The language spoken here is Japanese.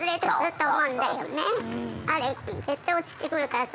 あれ絶対落ちてくるから。